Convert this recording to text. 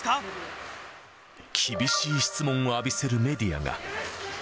厳しい質問を浴びせるメディ